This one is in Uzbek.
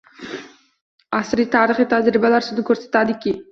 Asriy tarixiy tajribalar shuni ko‘rsatadiki